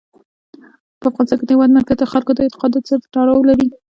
په افغانستان کې د هېواد مرکز د خلکو د اعتقاداتو سره تړاو لري.